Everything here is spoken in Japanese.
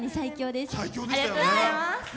ありがとうございます。